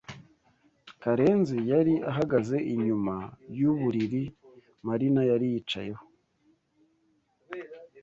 Karenzi yari ahagaze inyuma yuburiri Marina yari yicayeho.